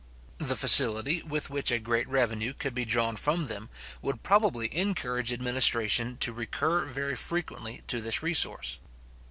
The facility with which a great revenue could be drawn from them, would probably encourage administration to recur very frequently te this resource.